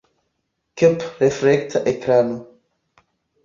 Kp reflekta ekrano.